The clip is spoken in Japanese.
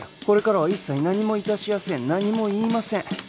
これからは一切何もいたしやせん何も言いません